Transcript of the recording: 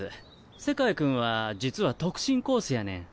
セカイ君は実は特進コースやねん。